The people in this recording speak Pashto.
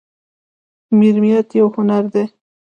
میریت یو هنر دی